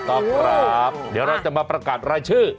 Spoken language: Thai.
ต้องครับเดี๋ยวเราจะมาประกาศรายชื่อ